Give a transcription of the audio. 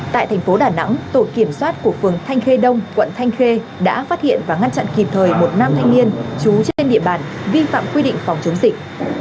tại thành phố đà nẵng tổ kiểm soát của phường thanh khê đông quận thanh khê đã phát hiện và ngăn chặn kịp thời một nam thanh niên trú trên địa bàn vi phạm quy định phòng chống dịch